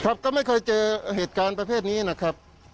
ครับก็ไม่เคยเจอเหตุการณ์ประเภทนี้นะครับ